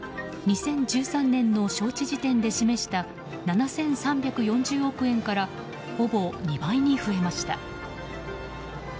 ２０１３年の招致時点で示した７３４０億円からほぼ２倍に増えました。